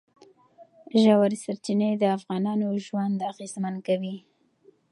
ژورې سرچینې د افغانانو ژوند اغېزمن کوي.